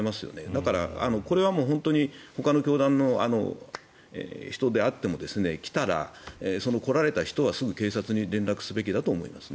だからこれはほかの教団の人であっても来たら、来られた人はすぐ警察に連絡すべきだと思います。